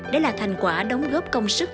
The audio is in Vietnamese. đấy là thành quả đóng góp công sức